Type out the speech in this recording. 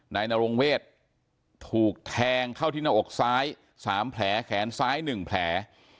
นายนรงเวทถูกแทงเข้าที่หน้าอกซ้าย๓แผลแขนซ้าย๑แผล